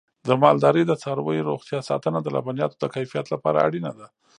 د مالدارۍ د څارویو روغتیا ساتنه د لبنیاتو د کیفیت لپاره اړینه ده.